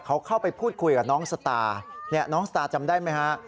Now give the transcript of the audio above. เขาเข้าไปพูดคุยกับน้องสตาเนี่ยน้องสตาจำได้ไหมฮะ